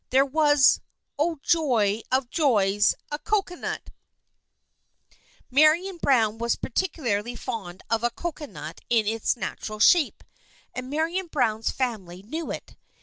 There was — oh, joy of joys — a cocoanut ! Marian Browne was particularly fond of a cocoanut in its natural shape, and Marian Browne's family knew it.